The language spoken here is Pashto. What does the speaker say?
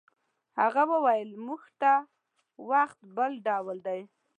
هغه وویل موږ ته وخت بل ډول دی.